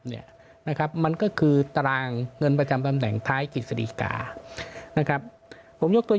เนี่ยนะครับมันก็คือตารางเงินประจำตำแหน่งท้ายกิจสดีกานะครับผมยกตัว